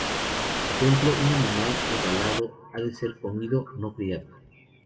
Por ejemplo, un animal regalado ha de ser comido, no criado.